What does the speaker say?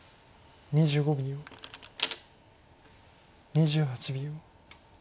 ２８秒。